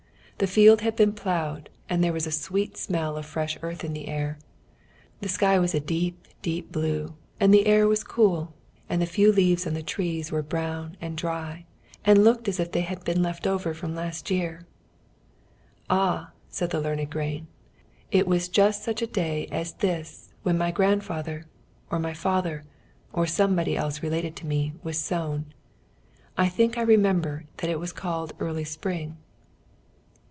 The field had been ploughed, and there was a sweet smell of fresh earth in the air; the sky was a deep, deep blue, but the air was cool and the few leaves on the trees were brown and dry, and looked as if they had been left over from last year. "Ah!" said the learned grain. "It was just such a day as this when my grandfather, or my father, or somebody else related to me, was sown. I think I remember that it was called Early Spring."